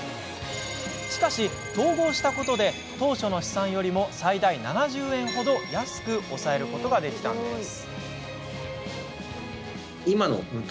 しかし、統合したことで当初の試算よりも最大７０円ほど安く抑えることができたんです。